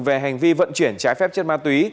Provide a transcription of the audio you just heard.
về hành vi vận chuyển trái phép chất ma túy